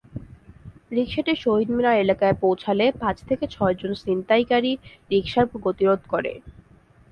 রিকশাটি শহীদ মিনার এলাকায় পৌঁছালে পাঁচ থেকে ছয়জন ছিনতাইকারী রিকশার গতিরোধ করে।